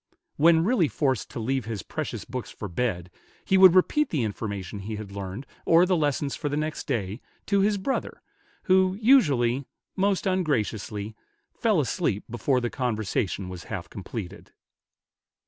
When really forced to leave his precious books for bed, he would repeat the information he had learned, or the lessons for the next day, to his brother, who usually, most ungraciously, fell asleep before the conversation was half completed.